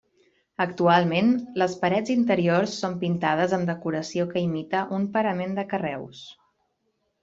Actualment, les parets interiors són pintades amb decoració que imita un parament de carreus.